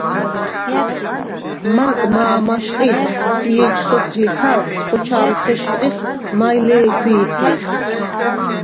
მაგ მა̄ მაშყიდ ი ეჯ სოფლი ხალხს ხოჩამდ ხეშყდიხ, მაჲ ლე̄ქვი̄ს ლი.